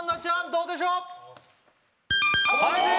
どうでしょう？